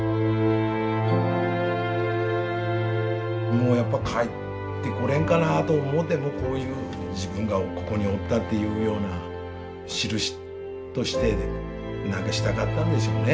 もうやっぱ帰ってこれんかなと思ってもうこういう自分がここにおったというようなしるしとして何かしたかったんでしょうね